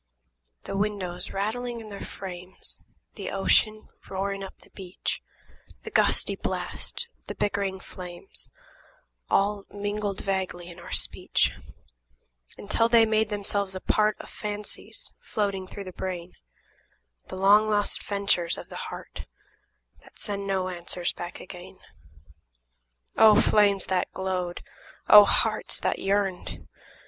The windows, rattling in their frames, – The ocean roaring up the beach, – The gusty blast – the bickering flames, – All mingled vaguely in our speech; Until they made themselves a part Of fancies floating through the brain, – The long lost ventures of the heart, That send no answers back again. O flames that glowed! O hearts that yearned!